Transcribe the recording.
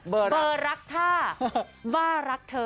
เบอร์รักถ้ามารักเธอ